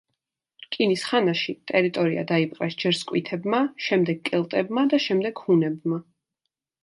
რკინის ხანაში, ტერიტორია დაიპყრეს ჯერ სკვითებმა, შემდეგ კელტებმა და შემდეგ ჰუნებმა.